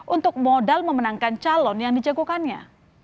untuk modal memenangkan calon yang dijagokannya